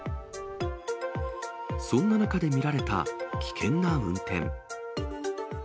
そんな中で見られた危険な運転。